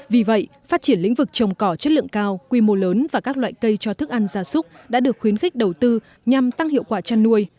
vì vậy phát triển lĩnh vực trồng cỏ chất lượng cao quy mô lớn và các loại cây cho thức ăn gia súc đã được khuyến khích đầu tư nhằm tăng hiệu quả chăn nuôi